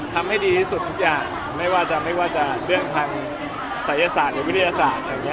ทำให้ดีที่สุดทุกอย่างไม่ว่าจะเรื่องทางศัยศาสตร์หรือวิทยาศาสตร์